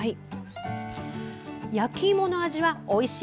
焼きいもの味はおいしい